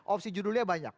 opsi judulnya banyak